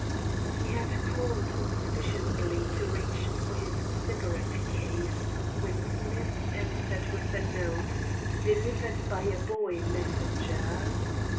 He had calmed sufficiently to reach for his cigarette case when Smith entered with a note, delivered by a boy messenger.